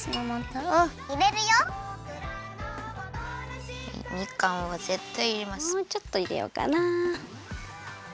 もうちょっといれようかな。